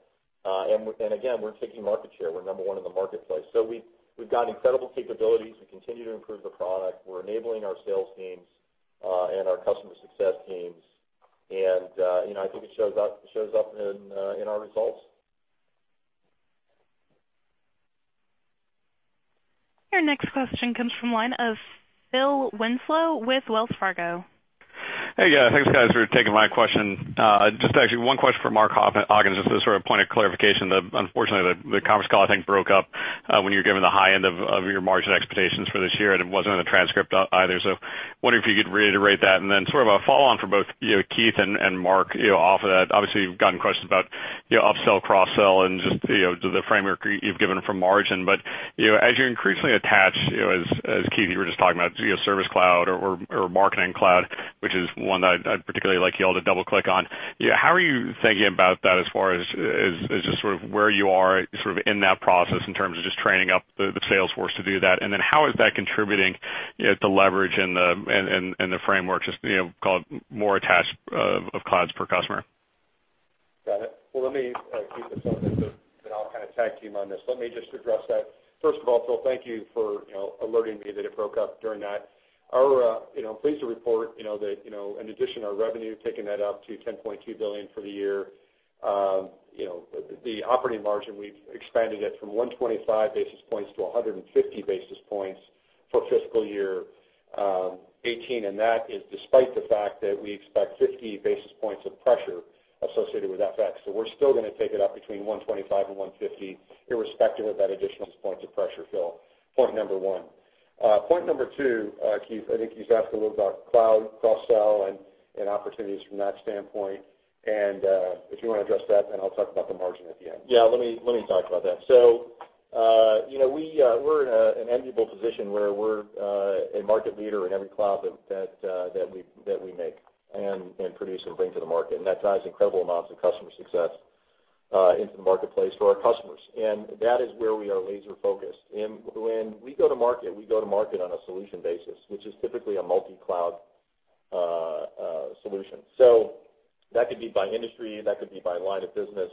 S5: Again, we're taking market share. We're number one in the marketplace. We've got incredible capabilities. We continue to improve the product. We're enabling our sales teams, and our customer success teams. I think it shows up in our results.
S1: Your next question comes from the line of Philip Winslow with Wells Fargo.
S12: Hey, guys. Thanks, guys, for taking my question. Actually one question for Mark Hawkins, just as a point of clarification. Unfortunately, the conference call, I think, broke up when you were giving the high end of your margin expectations for this year, and it wasn't in the transcript either. Wondering if you could reiterate that. Then sort of a follow-on for both Keith and Mark off of that. Obviously, you've gotten questions about upsell, cross-sell, and just the framework you've given for margin. As you're increasingly attached, as Keith, you were just talking about Service Cloud or Marketing Cloud, which is one that I'd particularly like you all to double click on. How are you thinking about that as far as just sort of where you are in that process in terms of just training up the sales force to do that? How is that contributing the leverage and the framework, just call it more attach of clouds per customer?
S4: Got it. Let me, Keith, if something comes up, then I'll kind of tag team on this. Let me just address that. First of all, Phil, thank you for alerting me that it broke up during that. I'm pleased to report, that in addition, our revenue, taking that up to $10.2 billion for the year. The operating margin, we've expanded it from 125 basis points to 150 basis points for fiscal year 2018, and that is despite the fact that we expect 50 basis points of pressure associated with FX. We're still going to take it up between 125 and 150, irrespective of that additional points of pressure, Phil. Point number one. Point number two, Keith, I think he's asked a little about cloud cross-sell and opportunities from that standpoint. If you want to address that, then I'll talk about the margin at the end.
S5: Yeah, let me talk about that. We're in an enviable position where we're a market leader in every cloud that we make and produce and bring to the market, and that drives incredible amounts of customer success into the marketplace for our customers. That is where we are laser-focused. When we go to market, we go to market on a solution basis, which is typically a multi-cloud solution. That could be by industry, that could be by line of business.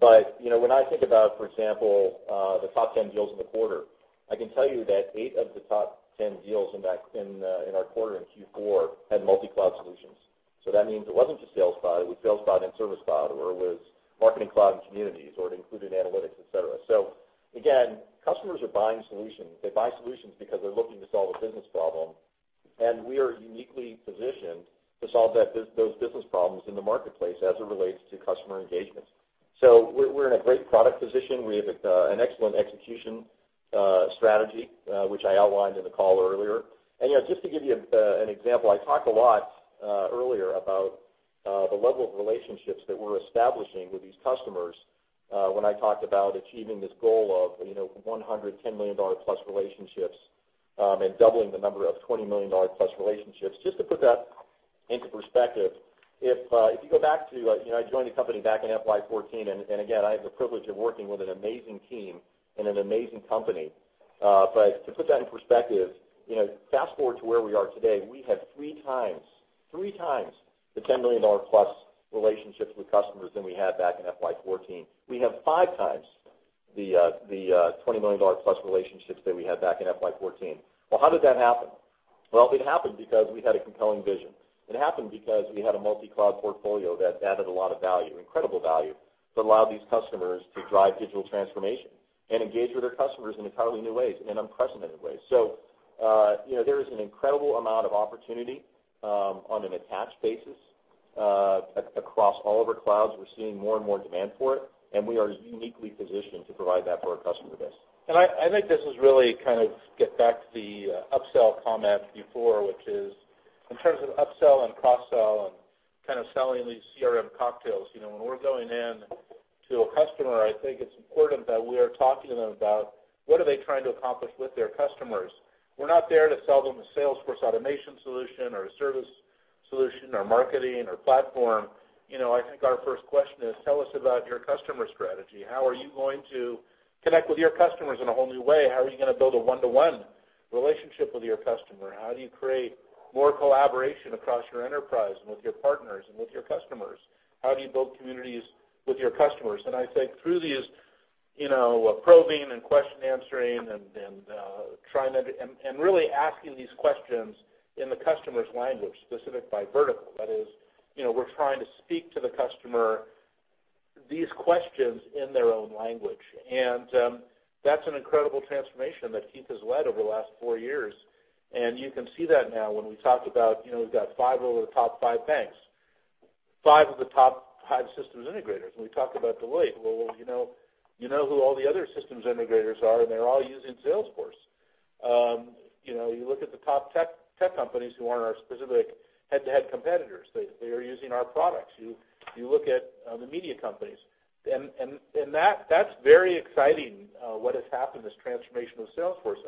S5: When I think about, for example, the top 10 deals in the quarter, I can tell you that eight of the top 10 deals in our quarter in Q4 had multi-cloud solutions. That means it wasn't just Sales Cloud, it was Sales Cloud and Service Cloud, or it was Marketing Cloud and Communities, or it included Analytics, et cetera. Again, customers are buying solutions. They buy solutions because they're looking to solve a business problem, and we are uniquely positioned to solve those business problems in the marketplace as it relates to customer engagement. We're in a great product position. We have an excellent execution strategy, which I outlined in the call earlier. Just to give you an example, I talked a lot earlier about the level of relationships that we're establishing with these customers, when I talked about achieving this goal of 100 $10 million-plus relationships, and doubling the number of $20 million-plus relationships. Just to put that into perspective, if you go back to, I joined the company back in FY 2014, and again, I have the privilege of working with an amazing team and an amazing company. To put that in perspective, fast-forward to where we are today, we have three times the $10 million-plus relationships with customers than we had back in FY 2014. We have five times the $20 million-plus relationships that we had back in FY 2014. How did that happen? It happened because we had a compelling vision. It happened because we had a multi-cloud portfolio that added a lot of value, incredible value, that allowed these customers to drive digital transformation and engage with their customers in entirely new ways, in unprecedented ways. There is an incredible amount of opportunity, on an attached basis, across all of our clouds. We're seeing more and more demand for it, and we are uniquely positioned to provide that for our customer base. I think this is really, kind of get back to the upsell comment before, which is, in terms of upsell and cross-sell and kind of selling these CRM cocktails, when we're going in to a customer, I think it's important that we are talking to them about what are they trying to accomplish with their customers. We're not there to sell them a Salesforce automation solution, or a service solution, or marketing, or platform. I think our first question is, tell us about your customer strategy. How are you going to connect with your customers in a whole new way? How are you going to build a one-to-one relationship with your customer? How do you create more collaboration across your enterprise and with your partners and with your customers? How do you build communities with your customers? I think through these probing and question answering and really asking these questions in the customer's language, specific by vertical. That is, we're trying to speak to the customer these questions in their own language. That's an incredible transformation that Keith has led over the last four years. You can see that now when we talked about, we've got five out of the top five banks, five of the top systems integrators. We talked about Deloitte. You know who all the other systems integrators are, and they're all using Salesforce. You look at the top tech companies who aren't our specific head-to-head competitors. They are using our products. You look at the media companies.
S3: That's very exciting, what has happened, this transformation with Salesforce.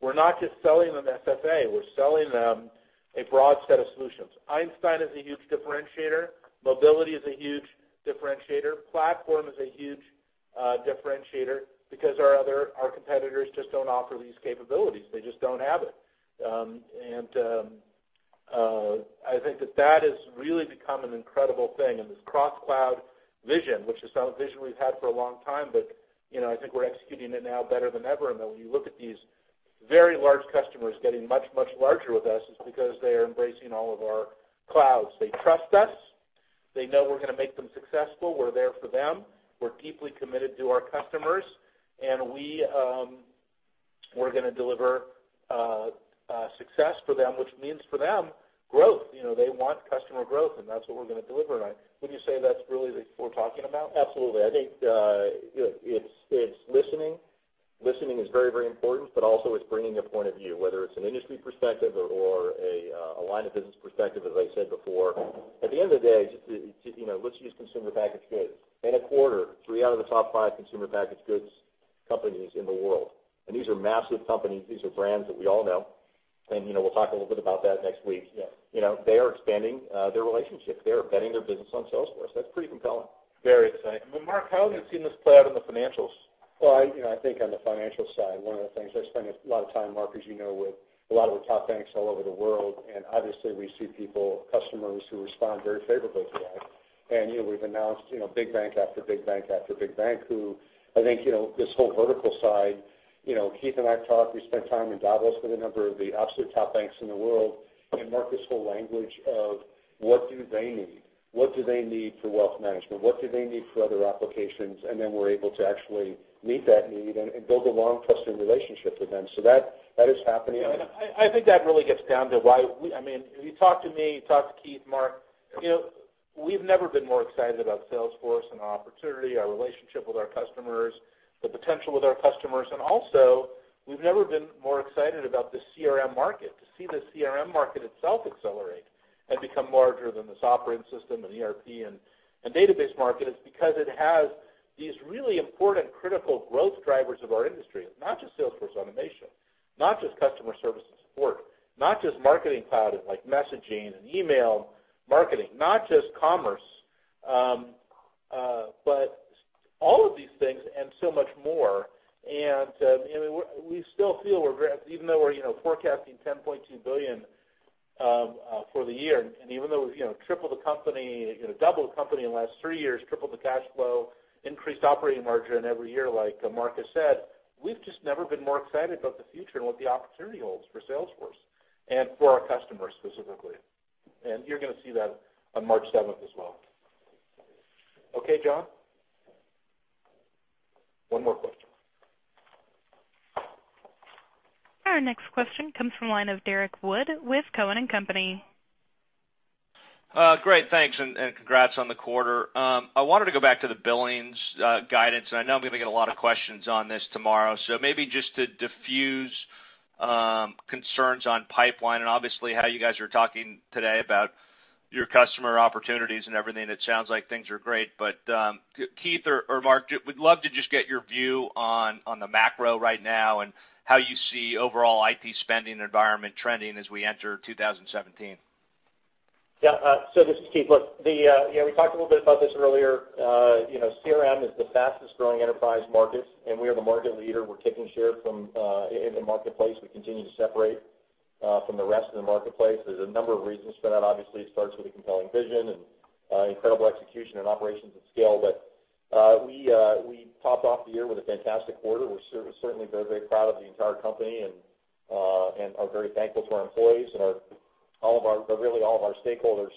S3: We're not just selling them SFA, we're selling them a broad set of solutions. Einstein is a huge differentiator. Mobility is a huge differentiator. Platform is a huge differentiator, because our competitors just don't offer these capabilities. They just don't have it. I think that that has really become an incredible thing. This cross-cloud vision, which is a vision we've had for a long time, but I think we're executing it now better than ever. When you look at these very large customers getting much, much larger with us, it's because they are embracing all of our clouds. They trust us. They know we're going to make them successful. We're there for them. We're deeply committed to our customers, and we're going to deliver success for them, which means for them, growth. They want customer growth, and that's what we're going to deliver on. Wouldn't you say that's really what we're talking about?
S5: Absolutely. I think it's listening. Listening is very, very important, but also it's bringing a point of view, whether it's an industry perspective or a line of business perspective, as I said before. At the end of the day, let's use consumer packaged goods. In a quarter, three out of the top five consumer packaged goods companies in the world, and these are massive companies. These are brands that we all know. We'll talk a little bit about that next week.
S3: Yeah.
S5: They are expanding their relationship. They are betting their business on Salesforce. That's pretty compelling.
S3: Very exciting. Mark, how have you seen this play out in the financials?
S4: Well, I think on the financial side, one of the things, I spend a lot of time, Marc, as you know, with a lot of the top banks all over the world. Obviously we see people, customers who respond very favorably to that. We've announced big bank after big bank after big bank, who I think, this whole vertical side, Keith Block and I talk, we spent time in Davos with a number of the absolute top banks in the world. Marc, this whole language of what do they need? What do they need for wealth management? What do they need for other applications? We're able to actually meet that need and build a long, trusted relationship with them. That is happening.
S3: I think that really gets down to why. If you talk to me, talk to Keith Block, Marc, we've never been more excited about Salesforce and our opportunity, our relationship with our customers, the potential with our customers. Also, we've never been more excited about the CRM market. To see the CRM market itself accelerate and become larger than the operating system and ERP and database market is because it has these really important, critical growth drivers of our industry. Not just Sales Cloud, not just Service Cloud, not just Marketing Cloud, like messaging and email marketing, not just Commerce Cloud. All of these things and so much more. We still feel, even though we're forecasting $10.2 billion for the year, even though we've tripled the company, doubled the company in the last three years, tripled the cash flow, increased operating margin every year, like Marc has said, we've just never been more excited about the future and what the opportunity holds for Salesforce and for our customers specifically. You're going to see that on March 7th as well. Okay, John? One more question.
S1: Our next question comes from the line of Derrick Wood with Cowen and Company.
S13: Great. Thanks, and congrats on the quarter. I wanted to go back to the billings guidance. I know I'm going to get a lot of questions on this tomorrow, maybe just to diffuse concerns on pipeline and obviously how you guys are talking today about your customer opportunities and everything, it sounds like things are great. Keith or Marc, we'd love to just get your view on the macro right now and how you see overall IT spending environment trending as we enter 2017.
S5: Yeah. This is Keith. Look, we talked a little bit about this earlier. CRM is the fastest-growing enterprise market. We are the market leader. We're taking share in the marketplace. We continue to separate from the rest of the marketplace. There's a number of reasons for that. Obviously, it starts with a compelling vision and incredible execution and operations at scale. We topped off the year with a fantastic quarter. We're certainly very, very proud of the entire company and are very thankful to our employees and really all of our stakeholders.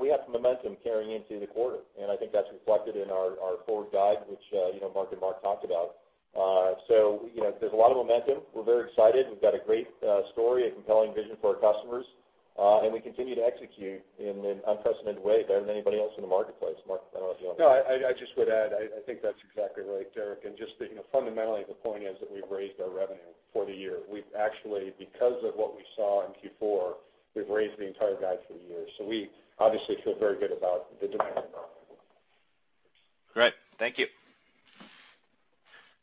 S5: We have some momentum carrying into the quarter. I think that's reflected in our forward guide, which Marc and Marc talked about. There's a lot of momentum. We're very excited. We've got a great story, a compelling vision for our customers. We continue to execute in an unprecedented way better than anybody else in the marketplace. Marc, I don't know if you want to-
S4: No, I just would add, I think that's exactly right, Derrick. Just fundamentally, the point is that we've raised our revenue for the year. We've actually, because of what we saw in Q4, we've raised the entire guide for the year. We obviously feel very good about the demand environment.
S13: Great. Thank you.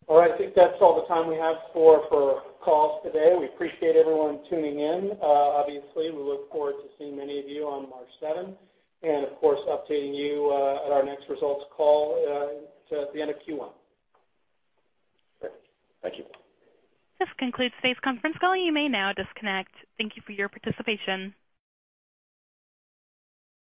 S3: All right. I think that's all the time we have for calls today. We appreciate everyone tuning in. Obviously, we look forward to seeing many of you on March 7th, and of course, updating you at our next results call at the end of Q1.
S4: Great. Thank you.
S1: This concludes today's conference call. You may now disconnect. Thank you for your participation.